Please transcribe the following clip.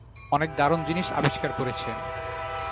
অনেক দারুণ জিনিস আবিষ্কার করেছে।